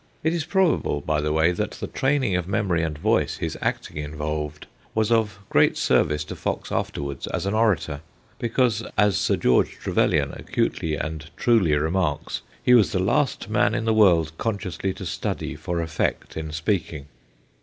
It is probable, by the way, that the training of memory and voice his acting involved was of great service to Fox afterwards as an orator, because, as Sir George Trevelyan acutely and truly remarks, he was the last man in the world consciously to study for effect in speaking.